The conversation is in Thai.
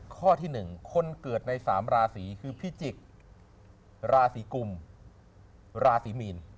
ข้อที่๑คนเกิดใน๓ราศีคือพิจิกษ์ราศีกุมราศีมีน